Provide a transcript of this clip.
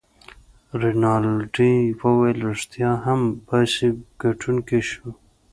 رینالډي وویل: ريښتیا هم، باسي ګټونکی شو.